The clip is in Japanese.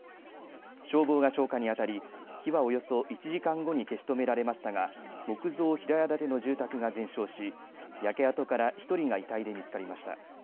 消防が消火にあたり火はおよそ１時間後に消し止められましたが木造平屋建ての住宅が全焼し、焼け跡から１人が遺体で見つかりました。